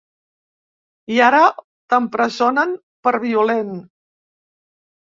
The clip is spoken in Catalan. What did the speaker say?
I ara t’empresonen per violent.